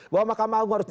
bahwa makam agung harus